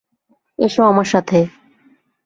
এসো আমার সাথে।